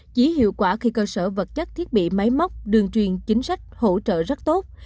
chỉ hiệu quả khi cơ sở vật chất thiết bị máy móc đường truyền chính sách hỗ trợ rất tốt